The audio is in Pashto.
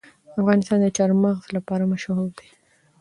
افغانستان د چار مغز لپاره مشهور دی.